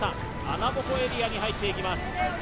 穴ぼこエリアに入っていきます